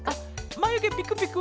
まゆげピクピク。